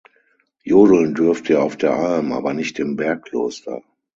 Jodeln dürft ihr auf der Alm, aber nicht im Bergkloster.